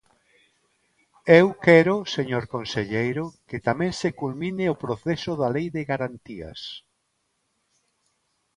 Eu quero, señor conselleiro, que tamén se culmine o proceso da Lei de garantías.